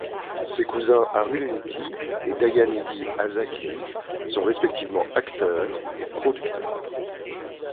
Ses cousins Arulnithi et Dayanidhi Azhagiri sont respectivement acteur et producteur.